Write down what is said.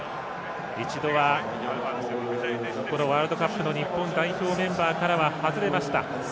一度はワールドカップの日本代表メンバーからは外れました。